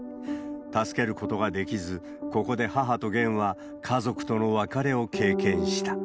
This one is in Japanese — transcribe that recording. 助けることができず、ここで母とゲンは、家族との別れを経験した。